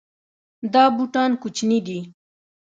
دا بوټان کوچني دي